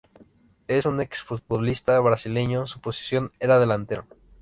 Es un exfutbolista brasileño, su posición era delantero.